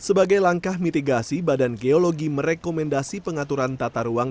sebagai langkah mitigasi badan geologi merekomendasi pengaturan tata ruang